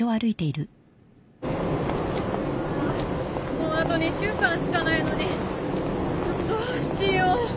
もうあと２週間しかないのにどうしよう。